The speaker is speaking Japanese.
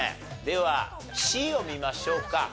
ではＣを見ましょうか。